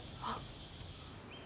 あっ。